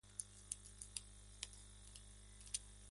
Cáncer de piel